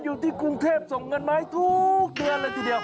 อยู่ที่กรุงเทพส่งเงินมาให้ทุกเดือนเลยทีเดียว